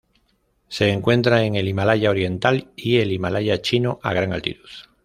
Se encuentra en el Himalaya oriental y el Himalaya chino a gran altitud.